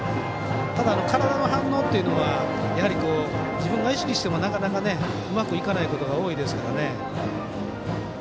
ただ、体の反応というのはやはり自分が意識してもなかなかうまくいかないことが多いですから。